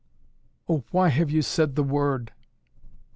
"Oh, why have you said the word!"